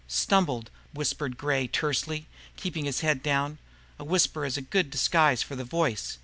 "Stumbled," whispered Gray tersely, keeping his head down. A whisper is a good disguise for the voice.